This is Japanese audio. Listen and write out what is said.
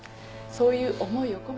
そういう思いを込めて。